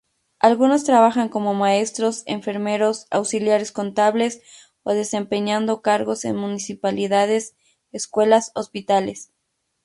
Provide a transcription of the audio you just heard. Algunos trabajan como maestros, enfermeros, auxiliares contables, o desempeñando cargos en municipalidades, escuelas, hospitales.